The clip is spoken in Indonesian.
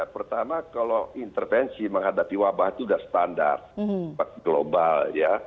pertama kalau intervensi menghadapi wabah itu sudah standar global ya